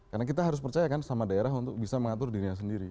karena kita harus percaya sama daerah untuk bisa mengatur dirinya sendiri